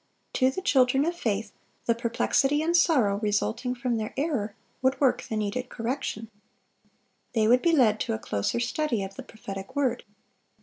To the children of faith the perplexity and sorrow resulting from their error, would work the needed correction. They would be led to a closer study of the prophetic word.